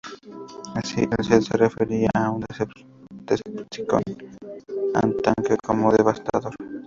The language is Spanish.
Así, en el set se referiría a un Decepticon tanque como "Devastator".